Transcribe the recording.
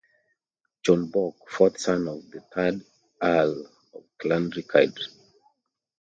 John Bourke, fourth son of the third Earl of Clanricarde.